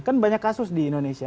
kan banyak kasus di indonesia